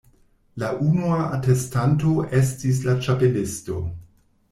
La unua atestanto estis la Ĉapelisto.